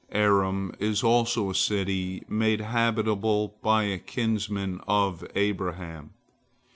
Aram is also a country made habitable by a kinsman of Abraham.